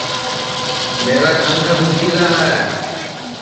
میرا کاںٚدھا دُؔکھی را ہے